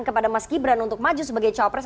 kepada mas gibran untuk maju sebagai cowok pres